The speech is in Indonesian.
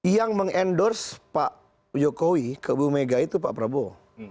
yang mengendorse pak jokowi ke ibu mega itu pak prabowo